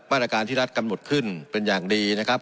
มาตรการที่รัฐกำหนดขึ้นเป็นอย่างดีนะครับ